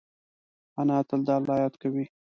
انا تل د الله یاد کوي